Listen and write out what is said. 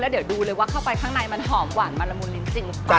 เดี๋ยวดูเลยว่าเข้าไปข้างในมันหอมหวานมันละมุนลิ้นจริงหรือเปล่า